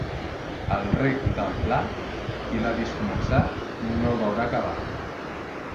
El rec del Pla, qui l'ha vist començar, no el veurà acabar.